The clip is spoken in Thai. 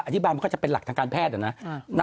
อธิบายมันก็จะเป็นหลักทางการแพทย์นะ